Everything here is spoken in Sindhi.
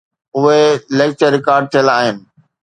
اهي ليڪچر رڪارڊ ٿيل آهن